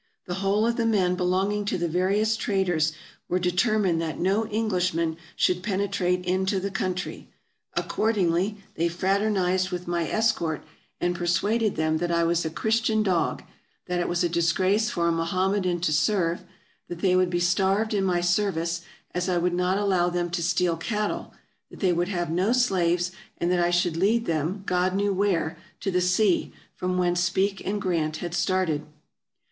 The whole of the men belonging to the various traders were determined that no Englishman should pene trate into the country; accordingly they fraternized with my 369 370 TRAVELERS AND EXPLORERS escort, and persuaded them that I was a Christian dog, that it was a disgrace for a Mohammedan to serve; that they would be starved in my service, as I would not allow them to steal cattle ; that they would have no slaves ; and that I should lead them — God knew where — to the sea, from whence Speke and Grant had started.